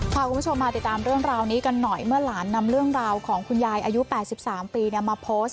พาคุณผู้ชมมาติดตามเรื่องราวนี้กันหน่อยเมื่อหลานนำเรื่องราวของคุณยายอายุ๘๓ปีมาโพสต์